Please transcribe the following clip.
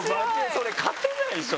それ勝てないでしょ？